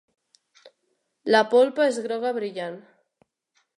La polpa és groga brillant.